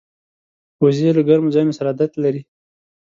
وزې له ګرمو ځایونو سره عادت لري